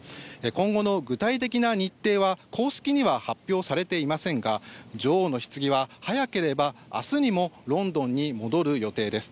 今後の具体的な日程は公式には発表されていませんが女王のひつぎは早ければ明日にもロンドンに戻る予定です。